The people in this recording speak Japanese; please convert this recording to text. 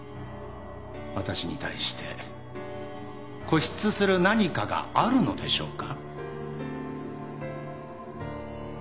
私に対して固執する何かがあるのでしょうか。